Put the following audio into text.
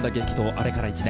あれから１年。